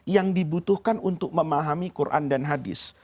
yang dibutuhkan untuk memahami quran dan hadis